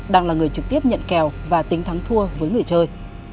đang là người trực tiếp nhận kèo và tính thắng thua với người chơi